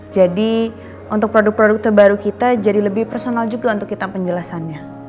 jadi untuk produk produk terbaru kita jadi lebih personal juga untuk kita penjelasin